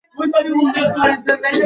এই সিলগুলো ঠিক আগে দেখা সিলের মত নয়।